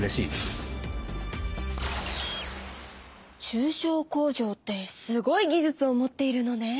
中小工場ってすごい技術を持っているのね！